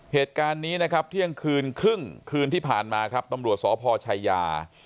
เหตุการณ์นี้นะครับเที่ยงคืนครึ่งคืนที่ผ่านมาครับตำรวจสพชายา